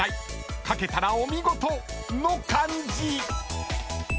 ［書けたらお見事！の漢字］